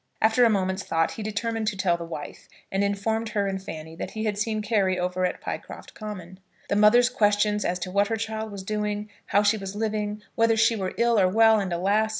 After a moment's thought he determined to tell the wife, and informed her and Fanny that he had seen Carry over at Pycroft Common. The mother's questions as to what her child was doing, how she was living, whether she were ill or well, and, alas!